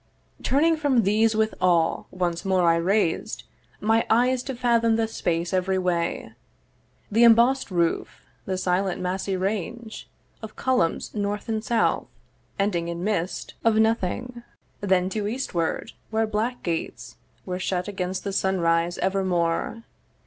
Turning from these with awe, once more I rais'd My eyes to fathom the space every way; The embossed roof, the silent massy range Of columns north and south, ending in mist Of nothing, then to eastward, where black gates Were shut against the sunrise evermore.